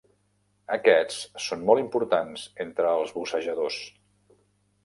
Aquests són molt importants entre els bussejadors.